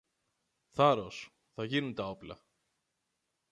Θάρρος! Θα γίνουν τα όπλα.